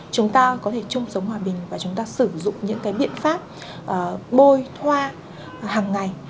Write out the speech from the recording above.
chúng ta có thể chung sống hòa bình và chúng ta sử dụng những cái biện pháp bôi thoa hàng ngày